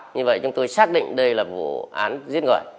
như vậy chúng tôi xác định đây là vụ án giết người